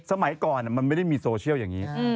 สมัยก่อนมันไม่ได้มีโซเชียลอย่างนี้